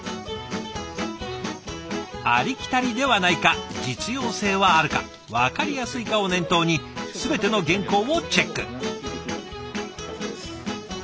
ありきたりではないか実用性はあるか分かりやすいかを念頭に全ての原稿をチェック。